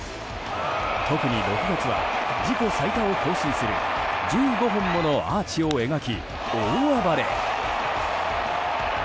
特に６月は、自己最多を更新する１５本ものアーチを描き大暴れ。